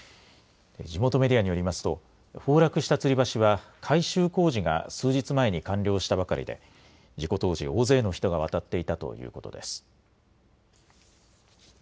地元メディアによりますと崩落したつり橋は改修工事が数日前に完了したばかりで事故当時、大勢の人が渡っていたということです。